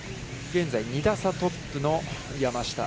現在、２打差トップの山下。